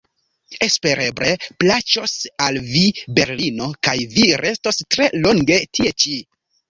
Espereble plaĉos al vi berlino kaj vi restos tre longe tie ĉi.